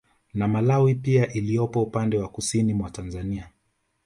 Na malawi pia iliyopo upande wa Kusini mwa Tanzania